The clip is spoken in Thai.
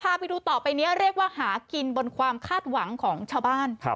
พาไปดูต่อไปนี้เรียกว่าหากินบนความคาดหวังของชาวบ้าน